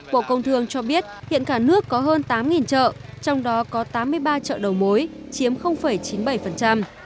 bộ công thương cho biết hiện cả nước có hơn tám chợ trong đó có tám mươi ba chợ đầu mối chiếm chín mươi bảy